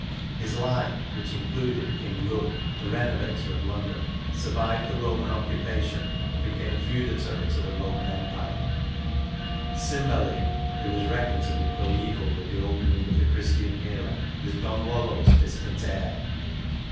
His line, which included King Lud, the renovator of London, survived the Roman occupation and became feudatory to the Roman Empire, ^/^mbeline, who was reckoned to be coeval with the opening of the Christian era, was Donwallow's distant INTRODUCTION xxv heir.